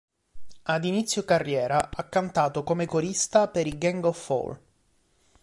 Ad inizio carriera ha cantato come corista per i Gang of Four.